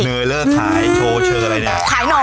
เหนื่อยเลิกขายโชว์เชิญอะไรเนี่ย